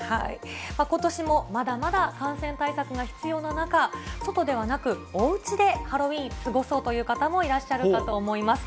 ことしもまだまだ感染対策が必要な中、外ではなく、おうちでハロウィーン、過ごそうという方もいらっしゃるかと思います。